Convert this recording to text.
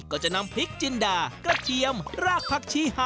ก็จะนำพริกจินดากระเทียมรากผักชีหะ